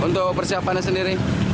untuk persiapan sendiri